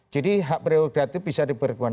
jadi hak prioritatif bisa dipergunakan